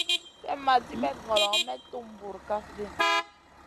Slèmma dibèt ŋolo may tum bura kaf ɗi.